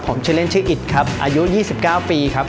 ผมชื่อเล่นชื่ออิตครับอายุ๒๙ปีครับ